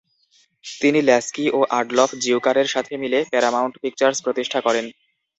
তিনি ল্যাস্কি ও আডলফ জিউকারের সাথে মিলে প্যারামাউন্ট পিকচার্স প্রতিষ্ঠা করেন।